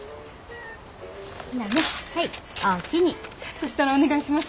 そしたらお願いします。